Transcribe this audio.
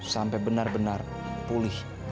sampai benar benar pulih